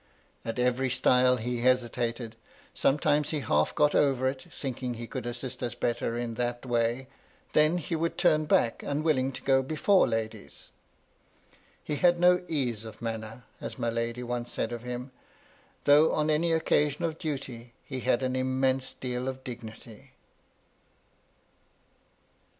At every stile he hesitated, — sometimes he half got over it, thinking that he could assist us better in that 62 MY LADY LUDLOW. way ; then he would turn back unwilling to go before ladies. He had no ease of manner, as my lady once said of him, though on any occasion of duty, he had an immense deal of dignity.